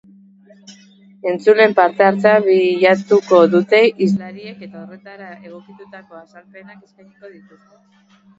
Entzuleen parte-hartzea bilatuko dute hizlariek eta horretara egokitutako azalpenak eskainiko dituzte.